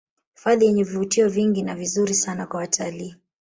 Hifadhi yenye vivutio vingi na vizuri sana kwa watalii